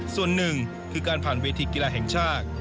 ส่วนหนึ่งคือการผ่านเวทีกีฬาแห่งชาติ